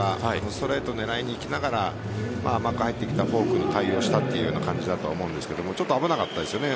ストレートを狙いにいきながら甘く入ってきたフォークに対応したという感じだと思うんですがちょっと危なかったですよね